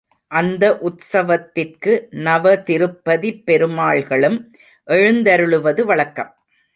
அந்த உத்சவத்திற்கு நவதிருப்பதிப் பெருமாள்களும் எழுந்தருளுவது வழக்கம்.